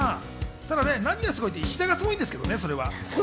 ただ何がすごいって、石田がすごいんですけどね。